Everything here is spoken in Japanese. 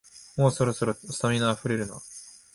もうそろそろ、スタミナあふれるな